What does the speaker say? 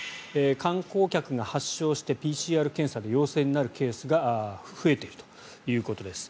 観光客が発症してＰＣＲ検査で陽性になるケースが増えているということです。